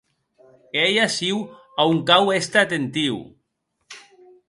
E ei aciu a on cau èster atentiu.